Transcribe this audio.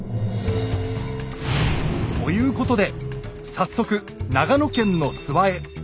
ということで早速長野県の諏訪へ。